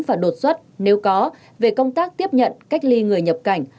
và đột xuất nếu có về công tác tiếp nhận cách ly người nhập cảnh